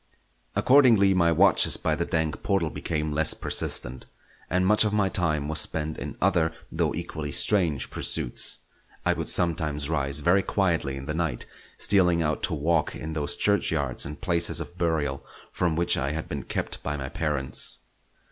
Accordingly my watches by the dank portal became less persistent, and much of my time was spent in other though equally strange pursuits. I would sometimes rise very quietly in the night, stealing out to walk in those churchyards and places of burial from which I had been kept by my parents.